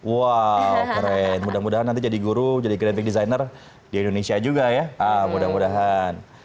wow keren mudah mudahan nanti jadi guru jadi kreatif designer di indonesia juga ya mudah mudahan